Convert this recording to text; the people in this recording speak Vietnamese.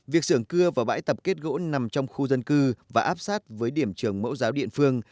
việc sưởng cưa vào bãi tập kết gỗ nằm trong khu dân cư và áp sát với điểm trường mẫu giáo địa phương